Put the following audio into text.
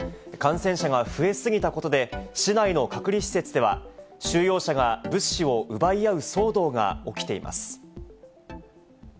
感染者が増え過ぎたことで、市内の隔離施設では、収容者が物資を奪い合う騒動が起きています。